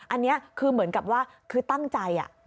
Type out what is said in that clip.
อันนี้คือเหมือนกับว่าคือตั้งใจ